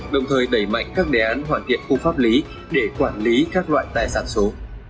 đồng thời đẩy mạnh các đề án hoàn thiện khung pháp lý để quản lý các loại tài sản số